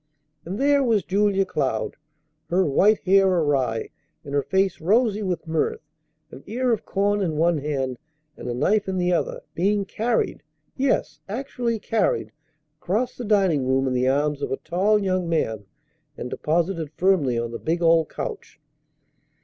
And there was Julia Cloud, her white hair awry, and her face rosy with mirth, an ear of corn in one hand and a knife in the other, being carried yes, actually carried across the dining room in the arms of a tall young man and deposited firmly on the big old couch.